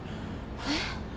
えっ？